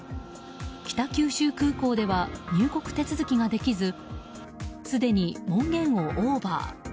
北九州空港では入国手続きができずすでに門限をオーバー。